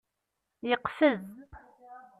Yeqfez.